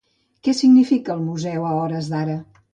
Què significa el Museu a hores d'ara?